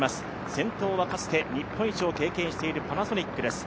先頭はかつて日本一を経験しているパナソニックです。